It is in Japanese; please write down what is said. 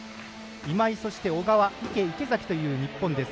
今井、小川、池、池崎という日本です。